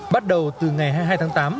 bắt đầu từ ngày hai mươi hai tháng tám